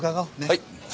はい。